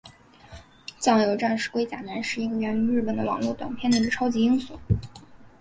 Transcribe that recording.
酱油战士龟甲男是一个源于日本的网络短片内的超级英雄。